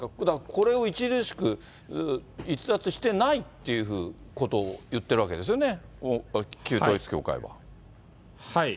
これを著しく逸脱してないということを言ってるわけですよね、旧統一教会は。